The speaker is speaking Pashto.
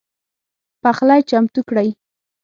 پخلی چمتو کړئ